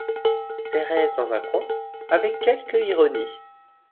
Thérèse dans un coin, avec quelque ironie